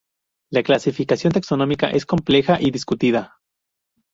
La clasificación taxonómica es compleja y discutida.